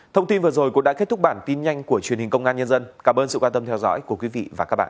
thông tin vừa rồi cũng đã kết thúc bản tin nhanh của truyền hình công an nhân dân cảm ơn sự quan tâm theo dõi của quý vị và các bạn